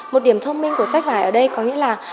một điểm thông minh của sách vải ở đây có nghĩa là